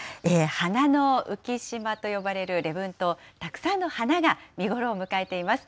花の浮島と呼ばれる礼文島、たくさんの花が見頃を迎えています。